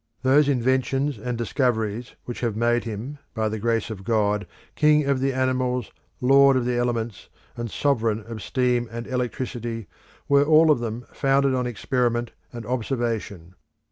Those inventions and discoveries which have made him, by the grace of God, king of the animals, lord of the elements, and sovereign of steam and electricity, were all of them founded on experiment and observation.